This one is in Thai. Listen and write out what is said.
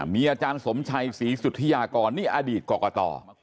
มีอาจารย์สมชัยศรีสุธิยากรนี่อดีตกรกต